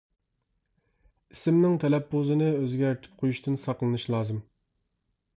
ئىسىمنىڭ تەلەپپۇزىنى ئۆزگەرتىپ قويۇشتىن ساقلىنىش لازىم.